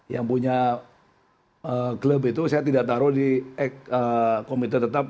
yang punya klub itu saya tidak taruh di komite tetap